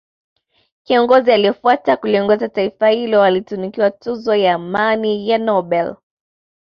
kiongozi aliyefuata kuliongoza taifa hilo alitunukiwa tuzo ya amani ya nobeli